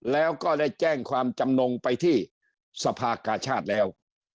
แล้วก็ได้แจ้งความจำนงไปที่สภากาชาติแล้ว